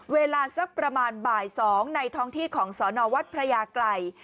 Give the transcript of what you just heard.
เวลาสักประมาณบาย๒ในท้องที่ของสอนอวัดพญาไกร